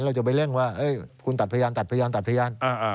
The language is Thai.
เราจะไปเร่งว่าคุณตัดพยานตัดพยานตัดพยาน